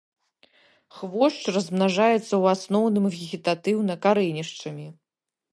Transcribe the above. Хвошч размнажаецца ў асноўным вегетатыўна карэнішчамі.